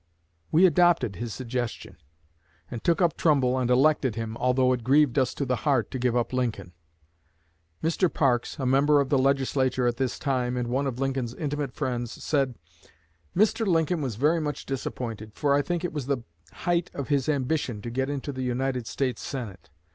We adopted his suggestion, and took up Trumbull and elected him, although it grieved us to the heart to give up Lincoln." Mr. Parks, a member of the Legislature at this time, and one of Lincoln's intimate friends, said: "Mr. Lincoln was very much disappointed, for I think it was the height of his ambition to get into the United States Senate.